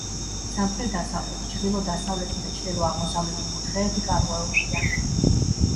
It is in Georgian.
სამხრეთ-დასავლეთი, ჩრდილო-დასავლეთი და ჩრდილო-აღმოსავლეთი კუთხეები გარღვეულია.